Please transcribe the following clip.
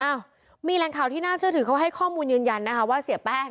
อ้าวมีแรงข่าวที่น่าเชื่อถือเขาให้ข้อมูลยืนยันนะคะว่าเสียแป้ง